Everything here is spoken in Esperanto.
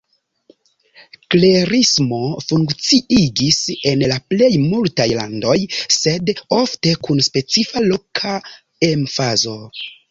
Klerismo funkciigis en la plej multaj landoj, sed ofte kun specifa loka emfazo.